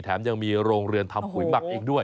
แถมยังมีโรงเรียนทำบริจารณ์ขุมคุยบัตรเองด้วย